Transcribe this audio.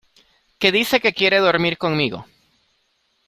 que dice que quiere dormir conmigo.